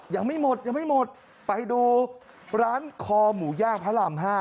ยังไม่หมดไปดูร้านคอหมูยากพระราม๕